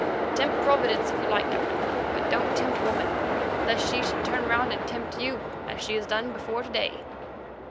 Tempt Providence, if you like, Captain, but don't tempt woman, lest she should turn round and tempt you, as she has done before to day."